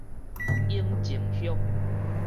永靖鄉